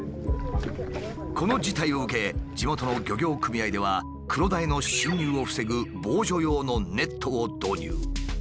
この事態を受け地元の漁業組合ではクロダイの侵入を防ぐ防除用のネットを導入。